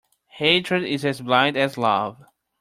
Hatred is as blind as love.